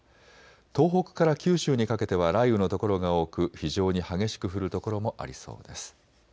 東北から九州にかけては雷雨の所が多く非常に激しく降る所もありそうです。